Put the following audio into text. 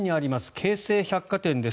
京成百貨店です。